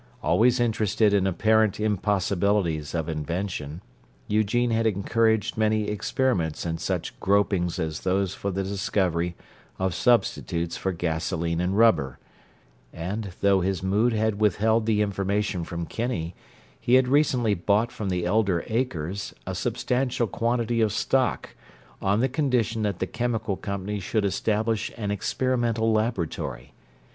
Always interested in apparent impossibilities of invention, Eugene had encouraged many experiments in such gropings as those for the discovery of substitutes for gasoline and rubber; and, though his mood had withheld the information from Kinney, he had recently bought from the elder Akers a substantial quantity of stock on the condition that the chemical company should establish an experimental laboratory.